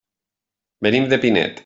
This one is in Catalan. Venim de Pinet.